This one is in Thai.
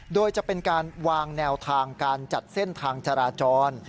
โดยจะเป็นการวางแนวทางการจัดเส้นทางจราจร